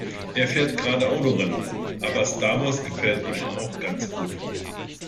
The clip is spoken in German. Er fährt gerade Autorennen, aber Star Wars gefällt ihm auch ganz gut.